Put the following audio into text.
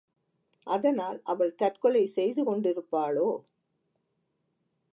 அதனால் அவள் தற்கொலை செய்து கொண்டிருப்பாளோ?